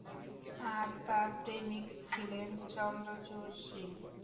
আর তাঁর প্রেমিক ছিলেন চন্দ্রচূড় সিং।